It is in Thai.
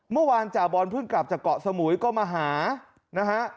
เมื่อวานจ่าบอลเพิ่งกลับจากเกาะสมุยก็มาหานะฮะ